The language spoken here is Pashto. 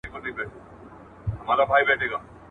• چي هوږه ئې نه وي خوړلې، د خولې ئې بوى نه ځي.